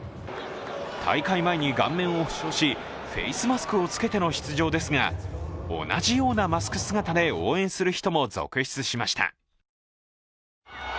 大会前に顔面を負傷し、フェイスマスクを着けての出場ですが同じようなマスク姿で応援する人も続出しました。